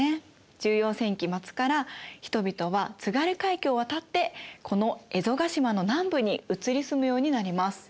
１４世紀末から人々は津軽海峡を渡ってこの蝦夷ヶ島の南部に移り住むようになります。